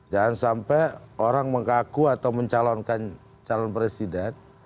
jangan sampai orang mengkaku atau mencalonkan calon presiden